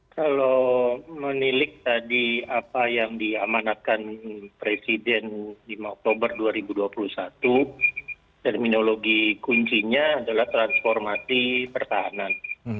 kalau menilik tadi apa yang diamanatkan presiden lima oktober dua ribu dua puluh satu terminologi kuncinya adalah transformasi pertahanan